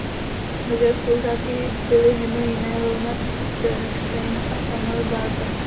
Mezi jeho spolužáky byli mimo jiné Leonard Bernstein a Samuel Barber.